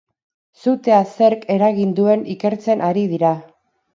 Sutea zerk eragin duen ikertzen ari dira.